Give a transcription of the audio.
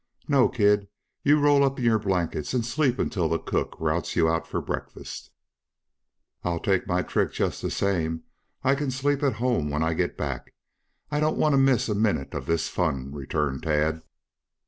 No kid, you roll up in your blankets and sleep until the cook routs you out for breakfast." "I'll take my trick just the same. I can sleep at home when I get back. I don't want to miss a minute of this fun," returned Tad.